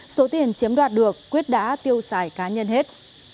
số tiền chiếm đoạt được quyết đã tiêu xài cá nhân hết